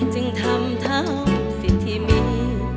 จึงทำเท่าสิทธิ์ที่มี